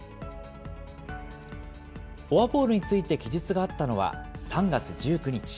フォアボールについて記述があったのは３月１９日。